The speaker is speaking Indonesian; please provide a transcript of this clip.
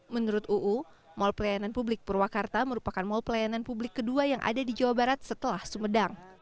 menurut uu mal pelayanan publik purwakarta merupakan mall pelayanan publik kedua yang ada di jawa barat setelah sumedang